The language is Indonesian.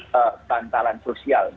sampai peterangan seperti ini